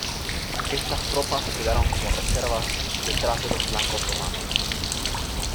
Estas tropas quedaron como reservas detrás de los flancos romanos.